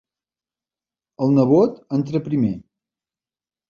El nebot entra primer.